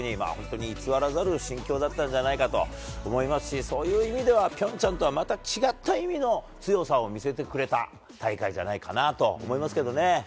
本当に偽らざる心境だったんじゃないかと思うしそういう意味では平昌とはまた違った意味の強さを見せてくれた大会じゃないかなと思いますけどね。